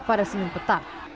pada senin petang